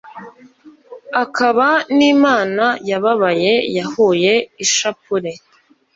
akaba n’imana yababaye, yahuye ishapule,